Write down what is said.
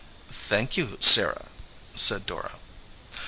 "Thank you, Sarah," said Dora.